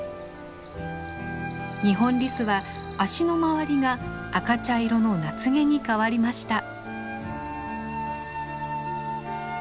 ニホンリスは足の周りが赤茶色の夏毛に変わりました。